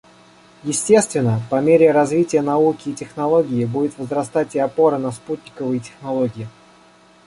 Естественно, по мере развития науки и технологии будет возрастать и опора на спутниковые технологии.